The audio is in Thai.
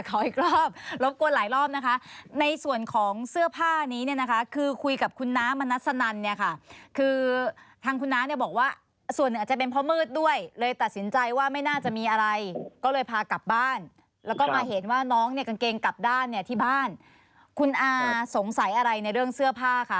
ขออีกรอบรบกวนหลายรอบนะคะในส่วนของเสื้อผ้านี้เนี่ยนะคะคือคุยกับคุณน้ามณัสนันเนี่ยค่ะคือทางคุณน้าเนี่ยบอกว่าส่วนหนึ่งอาจจะเป็นเพราะมืดด้วยเลยตัดสินใจว่าไม่น่าจะมีอะไรก็เลยพากลับบ้านแล้วก็มาเห็นว่าน้องเนี่ยกางเกงกลับด้านเนี่ยที่บ้านคุณอาสงสัยอะไรในเรื่องเสื้อผ้าค่ะ